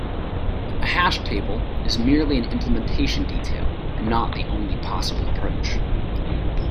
A hash table is merely an implementation detail and not the only possible approach.